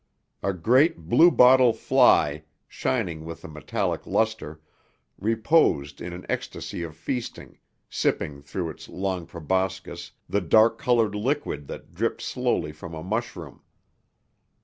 A great bluebottle fly, shining with a metallic luster, reposed in an ecstasy of feasting, sipping through its long proboscis the dark colored liquid that dripped slowly from a mushroom.